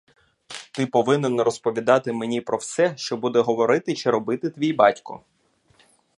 Ти повинен розповідати мені про все, що буде говорити чи робити твій батько.